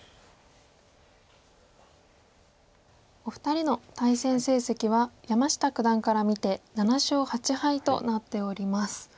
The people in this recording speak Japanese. お二人の対戦成績は山下九段から見て７勝８敗となっております。